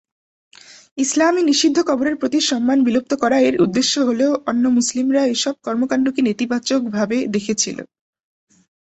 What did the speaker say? ইসলামে নিষিদ্ধ কবরের প্রতি সম্মান বিলুপ্ত করা এর উদ্দেশ্য হলেও অন্য মুসলিমরা এসব কর্মকাণ্ডকে নেতিবাচকভাবে দেখেছিল।